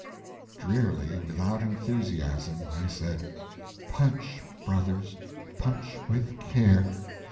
Drearily, without enthusiasm, I said: "Punch brothers, punch with care!